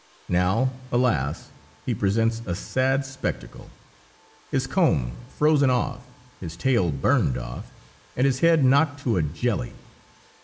Now, alas! he presents a sad spectacle: his comb frozen off, his tail burned off, and his head knocked to a jelly.